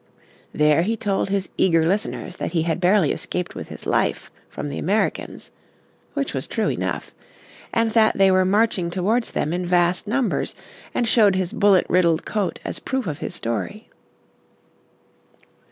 There he told his eager listeners that he had barely escaped with his life from the Americans (which was true enough) and that they were marching towards them in vast numbers, and showed his bullet riddled coat as proof of his story.